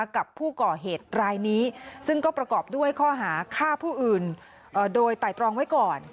กับผู้ก่อเหตุรายนี้ซึ่งก็ประกอบด้วยข้อหาฆ่าผู้อื่นโดยไตรตรองไว้ก่อน